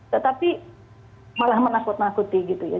tetapi malah menakut nakuti gitu ya